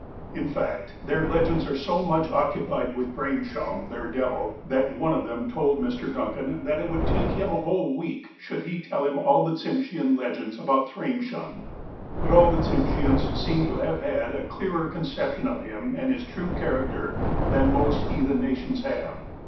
In fact, their legends are so much occupied with Thraimshum, their devil, that one of them told Mr. Duncan that it would take him a whole week, should he tell him all the Tsimsheau legends about Thraimshum. But the Tsimsheans seem to have had a clearer concep tion of him, and his true character, than most heathen na tions have.